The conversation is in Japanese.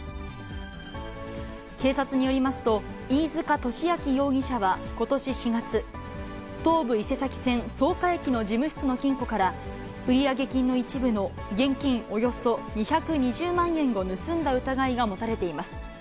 警察によりますと、飯塚敏明容疑者は、ことし４月、東武伊勢崎線草加駅の事務室の金庫から、売上金の一部の現金およそ２２０万円を盗んだ疑いが持たれています。